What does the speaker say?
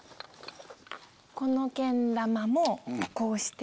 このけん玉もこうして。